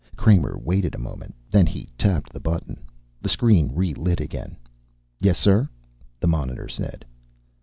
Kramer waited a moment. Then he tapped the button. The screen relit again. "Yes, sir," the monitor said.